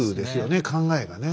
考えがね。